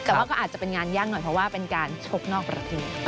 แต่ว่าก็อาจจะเป็นงานยากหน่อยเพราะว่าเป็นการชกนอกประเทศ